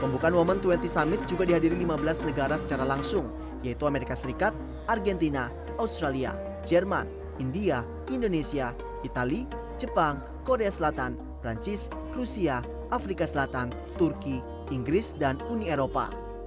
pembukaan women dua puluh summit juga dihadiri lima belas negara secara langsung yaitu amerika serikat argentina australia jerman india indonesia itali jepang korea selatan perancis rusia afrika selatan turki inggris dan uni eropa